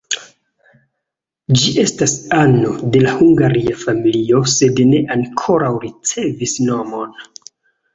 Ĝi estas ano de la hungaria familio, sed ne ankoraŭ ricevis nomon.